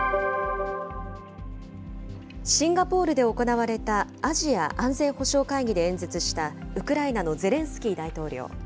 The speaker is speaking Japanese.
シンガポールで行われた、アジア安全保障会議で演説した、ウクライナのゼレンスキー大統領。